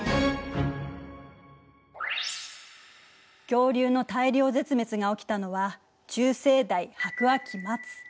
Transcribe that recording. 恐竜の大量絶滅が起きたのは中生代白亜紀末。